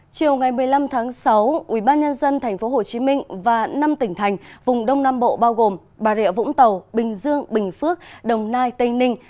chiều ngày một mươi năm tháng sáu ubnd tp hcm và năm tỉnh thành vùng đông nam bộ bao gồm bà rịa vũng tàu bình dương bình phước đồng nai tây ninh